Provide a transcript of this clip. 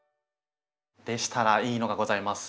でしたらいいのがございます。